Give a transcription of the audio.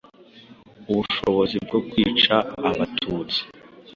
ubushobozi bwo kwica Abatutsi